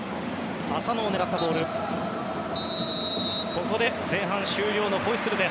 ここで前半終了のホイッスル。